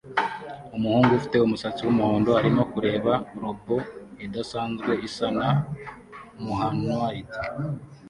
Umuhungu ufite umusatsi wumuhondo arimo kureba robot idasanzwe isa na humanoid